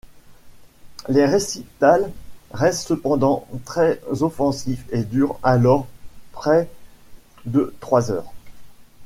Les récitals restent cependant très offensifs et durent alors près de trois heures.